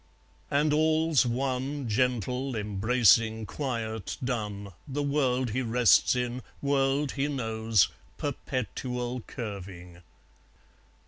... And all's one. Gentle, embracing, quiet, dun, The world he rests in, world he knows, Perpetual curving.